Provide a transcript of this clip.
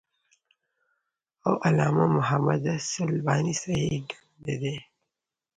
او علامه محدِّث الباني صحيح ګڼلی دی .